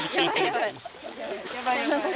やばいやばい。